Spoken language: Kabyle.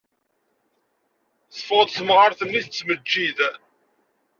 Teffeɣ-d temɣart-nni tettmeǧǧid.